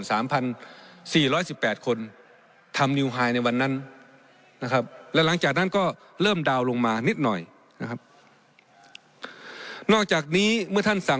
อัศวินทรีย์พระราชประเทศไทยต้องให้ให้ใครจะยอม